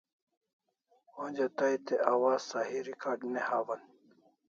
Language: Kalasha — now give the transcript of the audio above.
Onja tai te awaz Sahi recard ne hawan